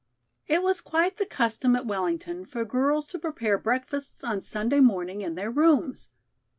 It was quite the custom at Wellington for girls to prepare breakfasts on Sunday morning in their rooms.